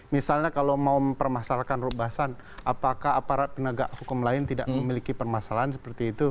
misalnya kalau mau mempermasalahkan rubasan apakah aparat penegak hukum lain tidak memiliki permasalahan seperti itu